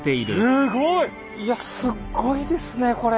すごい！いやすっごいですねこれ。